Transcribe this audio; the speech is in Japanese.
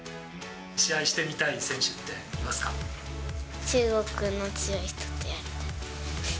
試合をしてみたい選手ってい中国の強い人とやりたい。